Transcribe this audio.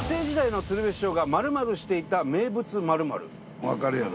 さあわかるやろ。